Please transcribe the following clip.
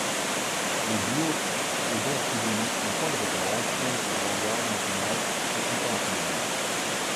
Le duo est donc devenu un point de référence pour l'avant-garde nationale et internationale.